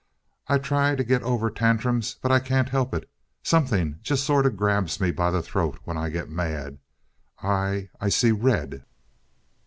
"I try to get over tantrums but I can't help it! Something just sort of grabs me by the throat when I get mad. I I see red."